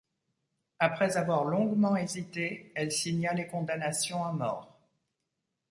Après avoir longuement hésité, elle signa les condamnations à mort.